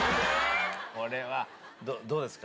これはどうですか？